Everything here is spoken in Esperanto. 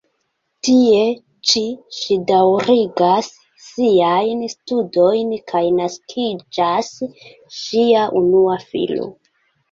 Tie ĉi ŝi daŭrigas siajn studojn kaj naskiĝas ŝia unua filo.